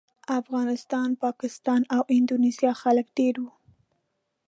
افغانستان، پاکستان او اندونیزیا خلک ډېر وو.